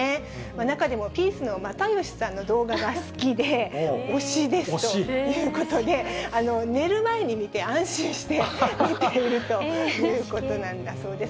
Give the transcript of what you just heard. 中でもピースの又吉さんの動画が好きで、推しですということで、寝る前に見て、安心して寝ているということなんだそうです。